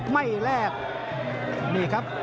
ไม่แลกนี่ครับ